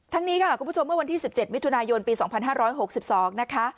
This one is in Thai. นี้ค่ะคุณผู้ชมเมื่อวันที่๑๗มิถุนายนปี๒๕๖๒นะคะ